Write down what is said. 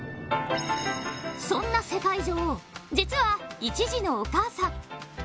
そんな世界女王、実は１児のお母さん。